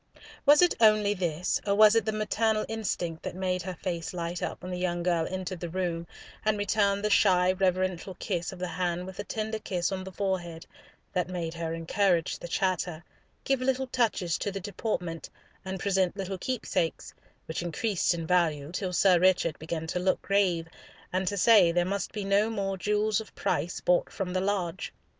Was it only this, or was it the maternal instinct that made her face light up when the young girl entered the room and return the shy reverential kiss of the hand with a tender kiss on the forehead, that made her encourage the chatter, give little touches to the deportment, and present little keepsakes, which increased in value till Sir Richard began to look grave, and to say there must be no more jewels of price brought from the lodge?